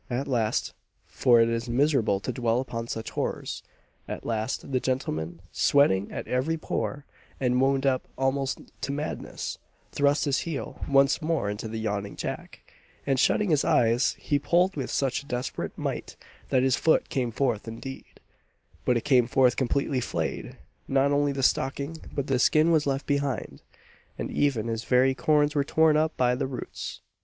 At last for it is miserable to dwell upon such horrors at last, the gentleman, sweating at every pore, and wound up almost to madness, thrust his heel once more into the yawning jack, and shutting his eyes, he pulled with such a desperate might, that his foot came forth indeed but it came forth completely flayed. Not only the stocking, but the skin was left behind and even his very corns were torn up by the roots!